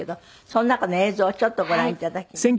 その中の映像をちょっとご覧頂きます。